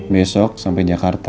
besok sampai jakarta